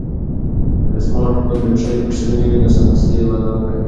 که د سمارټ فون بېټرۍ پړسېدلې وي نو سمدستي یې بدل کړئ.